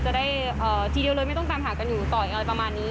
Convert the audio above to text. จะได้ทีเดียวเลยไม่ต้องตามหากันอยู่ต่อยอะไรประมาณนี้